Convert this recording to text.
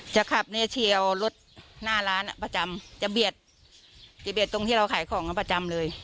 จะขับเนี่ยเฉียวรถหน้าร้านอ่ะประจำจะเบียดจะเบียดตรงที่เราขายของกันประจำเลย